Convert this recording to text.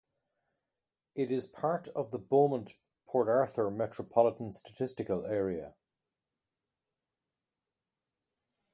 It is part of the Beaumont-Port Arthur Metropolitan Statistical Area.